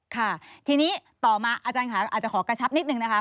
ค่ะทีนี้ต่อมาอาจารย์ค่ะอาจจะขอกระชับนิดนึงนะคะ